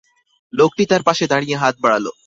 লোকটি তার পাশে দাঁড়িয়ে হাত বাড়াল।